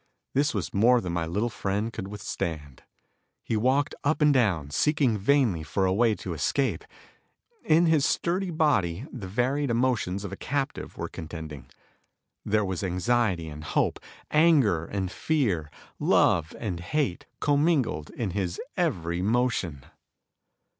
This was more than my little friend could withstand. He walked up and down, seeking vainly for a way to escape. In his sturdy body the varied emotions of a captive were contending. There was anxiety and hope, anger and fear, love and hate, commingled in his every motion.